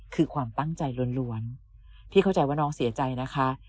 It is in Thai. คือความตั้งใจล้วนพี่เข้าใจว่าน้องเสียใจนะคะ